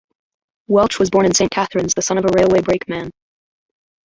Welch was born in Saint Catharines, the son of a railway brakeman.